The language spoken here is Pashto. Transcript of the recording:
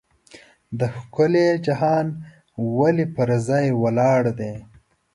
دا ښکلی جهان ولې پر ځای ولاړ دی.